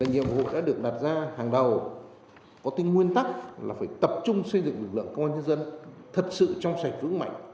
nhiệm vụ đã được đặt ra hàng đầu có tính nguyên tắc là phải tập trung xây dựng lực lượng công an nhân dân thật sự trong sạch vững mạnh